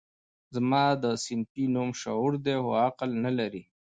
زما ده صنفي نوم شعور دی خو عقل نه لري